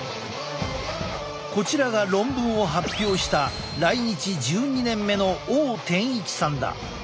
こちらが論文を発表した来日１２年目のしかし。